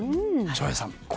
翔平さん